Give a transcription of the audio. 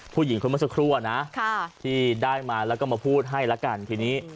ผู้หญิงคนเมื่อสักครู่อะนะที่ได้มาแล้วก็มาพูดให้ละกันทีนี้